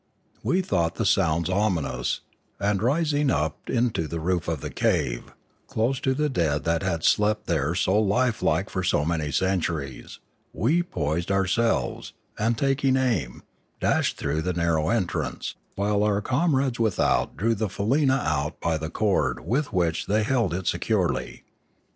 We thought the sounds ominous, and, rising high up into the roof of the cave, close to the dead that had slept there so like life for so many centuries, we poised our selves and, taking aim, dashed through the narrow en trance, while our comrades without drew the faleena out by the cord with which they had held it securely.